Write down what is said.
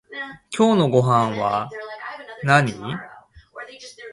今日のごはんなに？